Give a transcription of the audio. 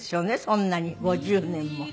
そんなに５０年も。